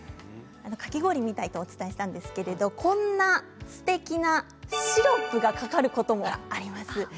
かき氷みたいとお伝えしましたがこんな、すてきなシロップがかかることもあります。